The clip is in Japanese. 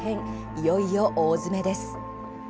いよいよ大詰めです。